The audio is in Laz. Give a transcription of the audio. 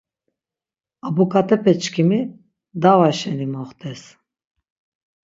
Abuǩatepeçkimi dava şeni moxtes.